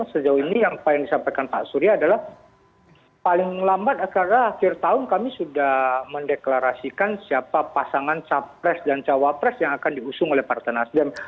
sejauh ini yang disampaikan pak surya adalah paling lambat karena akhir tahun kami sudah mendeklarasikan siapa pasangan capres dan cawapres yang akan diusung oleh partai nasdem